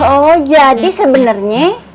oh jadi sebenernya